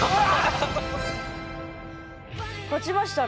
勝ちましたね